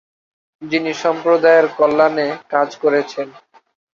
যিনি সম্প্রদায়ের কল্যাণে কাজ করেছেন।